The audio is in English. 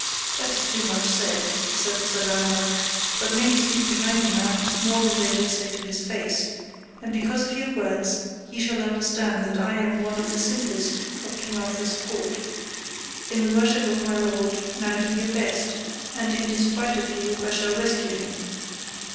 That is too much said, said Sir Lamorak, but many speak behind a man more than they will say to his face; and because of your words ye shall understand that I am one of the simplest of King Arthur's court; in the worship of my lord now do your best, and in despite of you I shall rescue him.